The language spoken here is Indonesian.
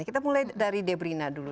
kita mulai dari debrina dulu